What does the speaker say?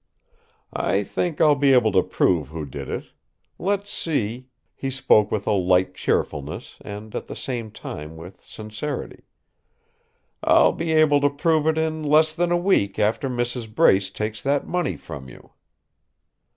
"I think I'll be able to prove who did it let's see," he spoke with a light cheerfulness, and at the same time with sincerity; "I'll be able to prove it in less than a week after Mrs. Brace takes that money from you."